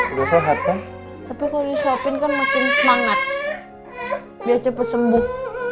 udah sehat kan tapi kalau sopin kan makin semangat biar cepet sembuh